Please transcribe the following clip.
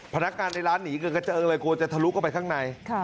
พนักงานในร้านหนีกันกระเจิงเลยกลัวจะทะลุเข้าไปข้างใน